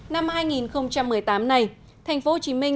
năm hai nghìn một mươi tám này tp hcm sẽ phải tiếp tục ứng dụng